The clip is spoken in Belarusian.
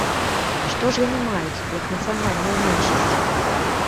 Што ж яны маюць як нацыянальная меншасць?